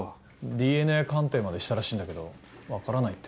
ＤＮＡ鑑定までしたらしいんだけど分からないって。